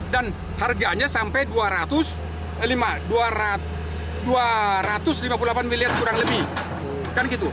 dan harganya sampai dua ratus lima puluh delapan miliar kurang lebih